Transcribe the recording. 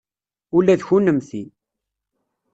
Ula d kunemti.